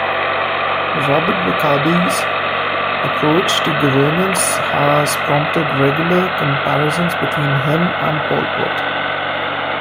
Robert Mugabe's approach to governance has prompted regular comparisons between him and Pol Pot.